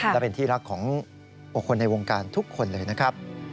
และเป็นที่รักของคนในวงการทุกคนเลยนะครับ